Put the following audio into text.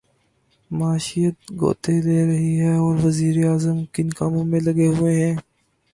معیشت غوطے لے رہی ہے اور وزیر اعظم کن کاموں میں لگے ہوئے ہیں۔